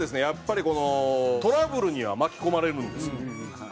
やっぱりこのトラブルには巻き込まれるんですよ。